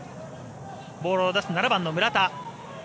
ボールを出す７番の村田。